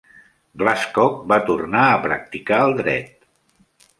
Glasscock va tornar a practicar el dret.